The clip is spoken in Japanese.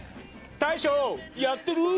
大将、やってる？